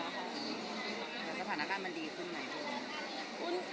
แต่สถานการณ์มันดีขึ้นไหม